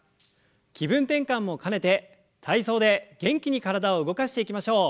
気分転換も兼ねて体操で元気に体を動かしていきましょう。